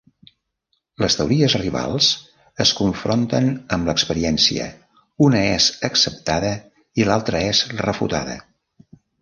Les teories rivals es confronten amb l'experiència; una és acceptada i l'altra és refutada.